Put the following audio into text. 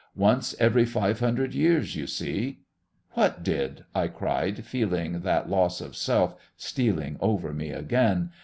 Once every five hundred years, you see " "What did?" I cried, feeling that loss of self stealing over me again.